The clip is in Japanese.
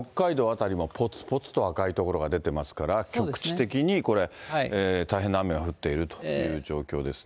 辺りもぽつぽつと赤い所が出てますから、局地的にこれ、大変な雨が降っているという状況ですね。